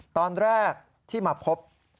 ตอนแรกที่มาพบ